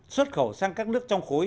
xuất khẩu sang các nước trong khối